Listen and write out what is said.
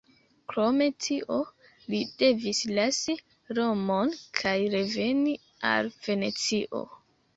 Krom tio, li devis lasi Romon kaj reveni al Venecio.